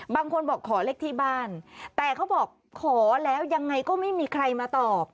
บางคนบอกขอเลขที่บ้านแต่เขาบอกขอแล้วยังไงก็ไม่มีใครมาตอบ